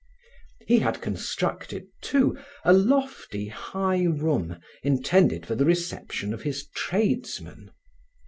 He had constructed, too, a lofty high room intended for the reception of his tradesmen.